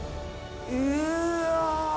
うわ！